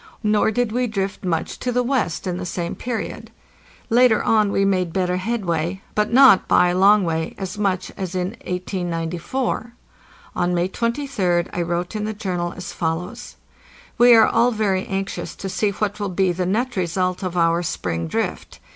Nor did we drift much to the west in the same period. Later on we made better headway, but not, by along way, as much as in 1894. On May 23d I wrote in the Journal as follows: '' We are all very anxious to see what will be the net result of our spring drift.